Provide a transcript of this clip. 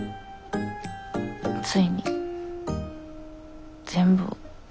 ついに全部を。